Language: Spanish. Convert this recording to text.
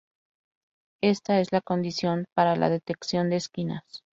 Ésta es la condición para la detección de esquinas.